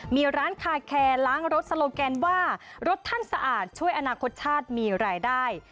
มีร้านคาแคร์ล้างรถสโลแกนว่ารถท่านสะอาดช่วยอนาคตชาติมีรายได้